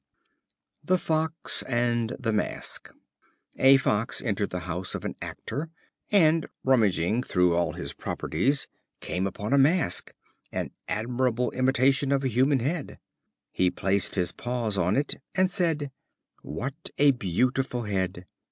The Fox and the Mask. A fox entered the house of an actor, and, rummaging through all his properties, came upon a Mask, an admirable imitation of a human head. He placed his paws on it, and said: "What a beautiful head!